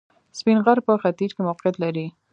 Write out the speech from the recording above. سپین غر په ختیځ کې موقعیت لري